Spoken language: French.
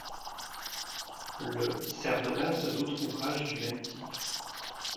Le ' sert de base à d'autres ouvrages du même type.